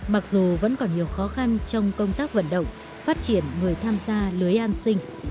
mặc dù vẫn còn nhiều khó khăn trong công tác vận động phát triển người tham gia lưới an sinh